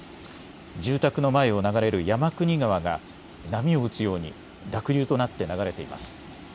住宅の前を流れる山国川が波を打つように濁流となって流れています。